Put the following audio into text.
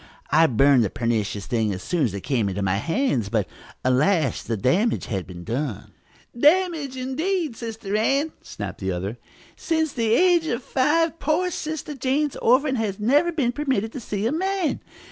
I burned the pernicious thing as soon as it came into my hands, but, alas, the damage had been done!" "Damage, indeed, Sister Ann!" snapped the other. "Since the age of five, poor Sister Jane's orphan has never been permitted to see a man.